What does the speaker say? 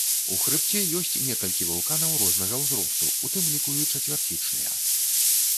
У хрыбце ёсць некалькі вулканаў рознага ўзросту, у тым ліку і чацвярцічныя.